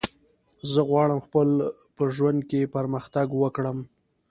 زه غواړم خپل په ژوند کی پرمختګ وکړم